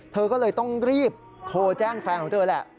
เธอก็เลยต้องรีบโทรแจ้งแฟนของเธอแหละ